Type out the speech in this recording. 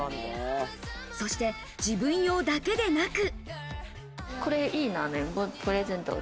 そして自分用だけでなく。